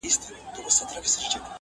آزارونه را پسې به وي د زړونو!!